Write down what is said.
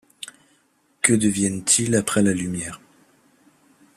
Que deviennent-ils après la lumière ?